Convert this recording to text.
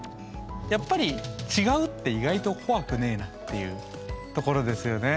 やっぱり違うって意外と怖くねえなっていうところですよね。